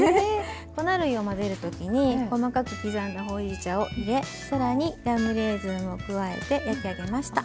粉類を混ぜるときに細かく刻んだほうじ茶を入れさらにラムレーズンを入れ焼き上げました。